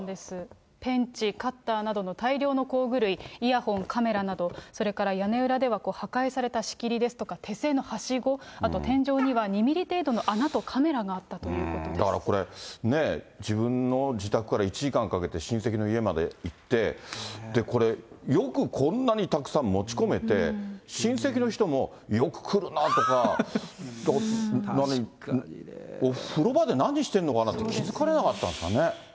ペンチ、カッターなどの大量の工具類、イヤホン、カメラなど、それから屋根裏では破壊された仕切りですとか、手製のはしご、あと天井には２ミリ程度の穴とカメラがあっただからこれね、自分の自宅から１時間かけて親戚の家まで行って、これ、よくこんなにたくさん持ち込めて、親戚の人もよく来るなとか、風呂場で何してんのかなって、気付かれなかったんですかね。